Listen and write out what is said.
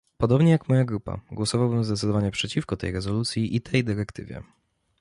Podobnie jak moja grupa, głosowałbym zdecydowanie przeciwko tej rezolucji i tej dyrektywie